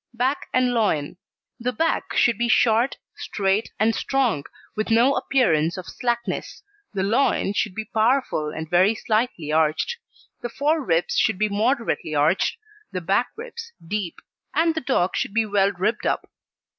BACK AND LOIN The Back should be short, straight, and strong, with no appearance of slackness. The Loin should be powerful and very slightly arched. The fore ribs should be moderately arched, the back ribs deep; and the dog should be well ribbed up.